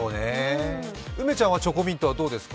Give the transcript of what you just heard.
梅ちゃんはチョコミント、どうですか？